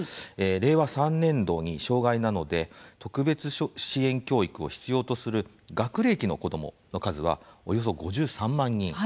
令和３年度に障害などで特別支援教育を必要とする学齢期の子どもの数はおよそ５３万人。